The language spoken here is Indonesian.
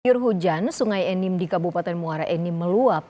air hujan sungai enim di kabupaten muara enim meluap